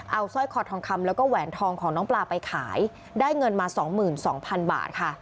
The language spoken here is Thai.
เอาสร้อยคอทองคำแล้วก็แหวนทองของน้องปลาไปขายได้เงินมาสองหมื่นสองพันบาทค่ะ